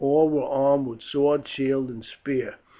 All were armed with sword, shield, and spear.